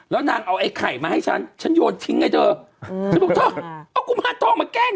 แล้วนางเอาไอ้ไข่มาให้ฉันฉันโยนทิ้งไงเธอฉันบอกเธอเอากุมารทองมาแกล้ง